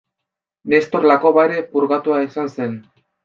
Nestor Lakoba ere purgatua izan zen.